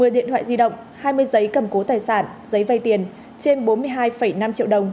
một mươi điện thoại di động hai mươi giấy cầm cố tài sản giấy vay tiền trên bốn mươi hai năm triệu đồng